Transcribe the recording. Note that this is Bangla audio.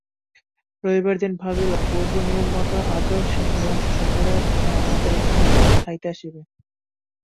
রবিবারদিনে ভাবিল, পূর্বনিয়মমত আজও হিমাংশু সকালে আমাদের এখানে খাইতে আসিবে।